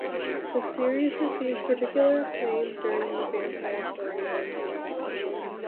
The series received particular acclaim during the vampire storylines.